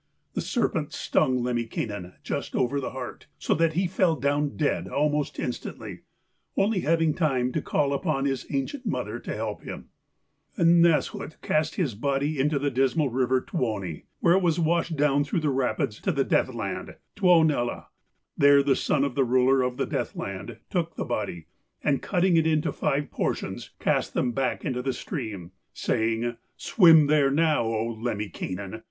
The serpent stung Lemminkainen just over the heart, so that he fell down dead almost instantly, only having time to call upon his ancient mother to help him. And Nasshut cast his body into the dismal river Tuoni, where it was washed down through the rapids to the Deathland, Tuonela. There the son of the ruler of the Deathland took the body, and cutting it into five portions, cast them back into the stream, saying: 'Swim there now, O Lemminkainen!